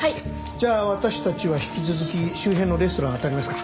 じゃあ私たちは引き続き周辺のレストランをあたりますか。